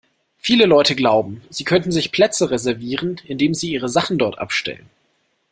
Viele Leute glauben, sie könnten sich Plätze reservieren, indem sie ihre Sachen dort abstellen.